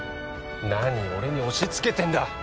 何俺に押しつけてんだ